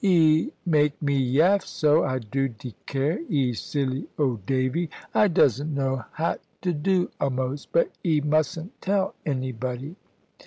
"'E make me yaff so, I do decare, 'e silly old Davy; I doesn't know 'hat to do a'most. But 'e mustn't tell anybody."